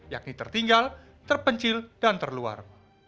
yakni tertinggal terpencil dan terluar